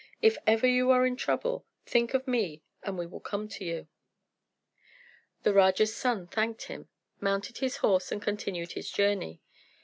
If ever you are in trouble, think of me and we will come to you." The Raja's son thanked him, mounted his horse and continued his journey.